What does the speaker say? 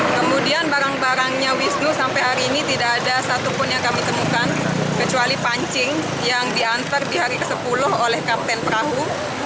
kemudian barang barangnya wisnu sampai hari ini tidak ada satupun yang kami temukan kecuali pancing yang diantar di hari ke sepuluh oleh kapten perahu